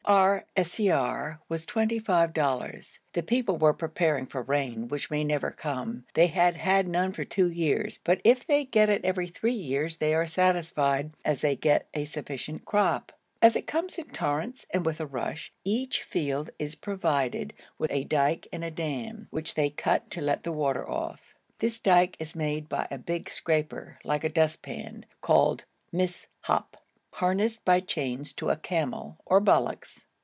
Our siyar was twenty five dollars. The people were preparing for rain, which may never come; they had had none for two years, but if they get it every three years they are satisfied, as they get a sufficient crop. As it comes in torrents and with a rush, each field is provided with a dyke and a dam, which they cut to let the water off. This dyke is made by a big scraper, like a dustpan, called mis'hap, harnessed by chains to a camel or bullocks.